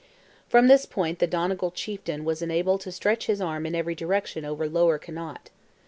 From this point the Donegal chieftain was enabled to stretch his arm in every direction over lower Connaught.